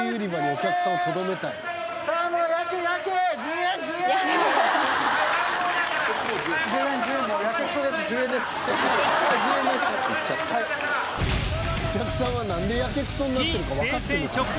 お客さんはなんでやけくそになってるかわかってるのかな？